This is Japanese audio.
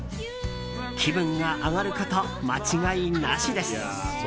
気分が上がること間違いなしです。